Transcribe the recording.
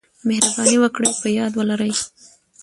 مهرباني وکړئ په یاد ولرئ: